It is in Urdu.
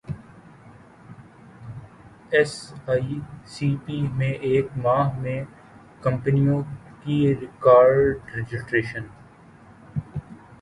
ایس ای سی پی میں ایک ماہ میں کمپنیوں کی ریکارڈرجسٹریشن